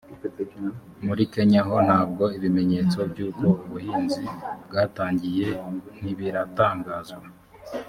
muri kenya ho ntabwo ibimenyetso by uko ubuhinzi bwatangiye ntibiratangazwa